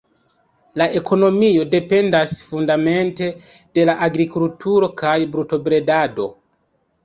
La ekonomio dependas fundamente de la agrikulturo kaj brutobredado.